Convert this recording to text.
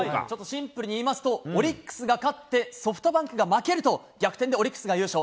シンプルに言いますと、オリックスが勝って、ソフトバンクが負けると、逆転でオリックスが優勝。